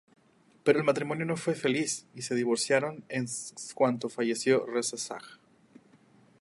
Pero el matrimonio no fue feliz y se divorciaron en cuanto falleció Reza Shah.